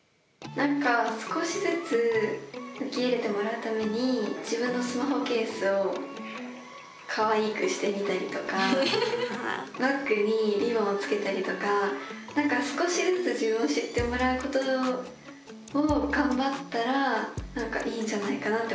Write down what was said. なんか少しずつ受け入れてもらうために自分のスマホケースをかわいくしてみたりとかバッグにりぼんを付けたりとかなんか少しずつ自分を知ってもらうことを頑張ったらいいんじゃないかなって思いました